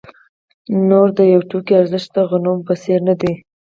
نور د یوه توکي ارزښت د غنمو په څېر نه دی